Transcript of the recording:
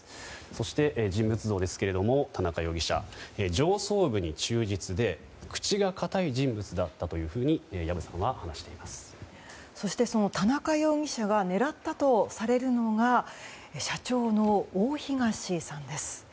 そして人物像ですが田中容疑者は上層部に忠実で口が堅い人物だったというふうにそして、その田中容疑者が狙ったとされるのが社長の大東さんです。